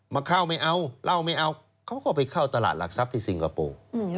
มาเข้าไม่เอาเหล้าไม่เอาเขาก็ไปเข้าตลาดหลักทรัพย์ที่สิงคโปร์